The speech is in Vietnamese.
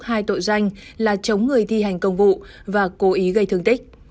hai tội danh là chống người thi hành công vụ và cố ý gây thương tích